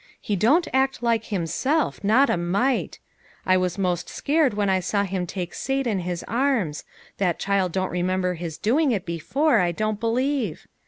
He don't act like himself ; not a rnite. I was most scared when I saw him take Sate in his arms; that child don't remember his doing it before, I don't believe.